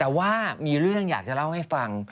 แต่ว่ามีเรื่องอยากจะเล่าให้ฟัง